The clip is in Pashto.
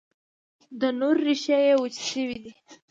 د نور، ریښې یې وچي شوي دي